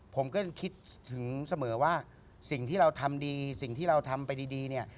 ผมก็คิดถึงเสมอว่าสิ่งที่เราทำดีสิ่งที่เราทำไปดีเนี่ย